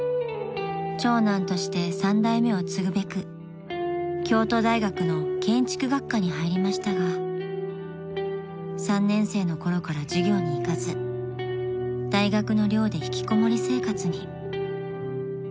［長男として３代目を継ぐべく京都大学の建築学科に入りましたが３年生のころから授業に行かず大学の寮で引きこもり生活に］